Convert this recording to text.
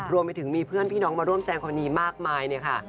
รวมไปถึงมีเพื่อนพี่น้องมาร่วมแสงคนนี้มากมายนะคะ